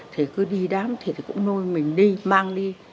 thì đám thịt cũng nuôi mình đi mang đi